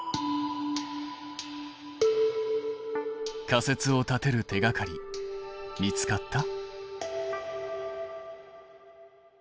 仮説を立てる手がかり見つかった？